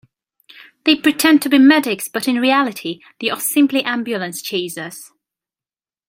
They pretend to be medics, but in reality they are simply ambulance chasers.